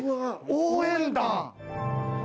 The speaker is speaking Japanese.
「応援団」。